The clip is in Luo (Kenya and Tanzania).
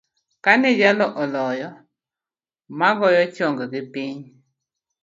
Kane jalo oloyo, magoyo chonggi piny.